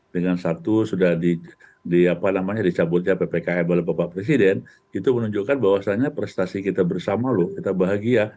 dengan sabtu sudah dicabutnya ppkm oleh bapak presiden itu menunjukkan bahwasannya prestasi kita bersama loh kita bahagia